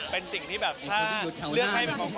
เป็นสิ่งที่ถ้าเลือกให้เป็นของขวัญ